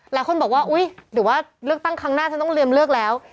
หลายคนบอกว่าอุ๊ยหรือว่าเลือกตั้งครั้งหน้าฉันต้องเตรียมเลือกแล้ว